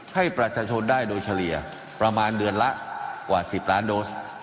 ให้ประชาชนได้โดยเฉลี่ยประมาณเดือนละกว่า๑๐ล้านโดส